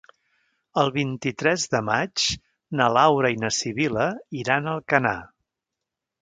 El vint-i-tres de maig na Laura i na Sibil·la iran a Alcanar.